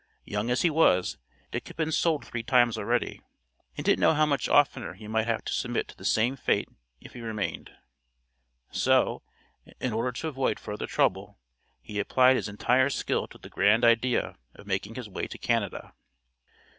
Young as he was, Dick had been sold three times already, and didn't know how much oftener he might have to submit to the same fate if he remained; so, in order to avoid further trouble, he applied his entire skill to the grand idea of making his way to Canada.